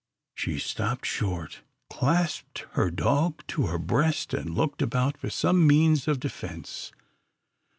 She stopped short, clasped her dog to her breast, and looked about for some means of defence.